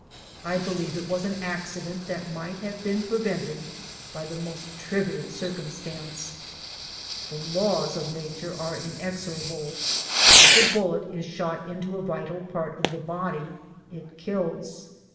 I believe it was an accident that might have been prevented by the most trivial circumstance. The laws of nature are inexorable. If a bullet is shot into a vital part of the body it kills.